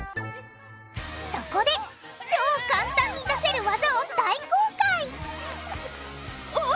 そこで超簡単に出せる技を大公開！